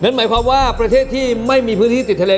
หมายความว่าประเทศที่ไม่มีพื้นที่ติดทะเล